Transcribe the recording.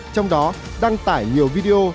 trong đó đăng tải nhiều video